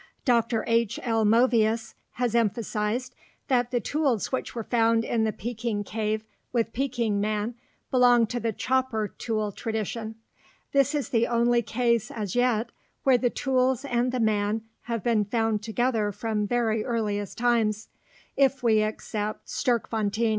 Dr. H. L. Movius has emphasized that the tools which were found in the Peking cave with Peking man belong to the chopper tool tradition. This is the only case as yet where the tools and the man have been found together from very earliest times if we except Sterkfontein.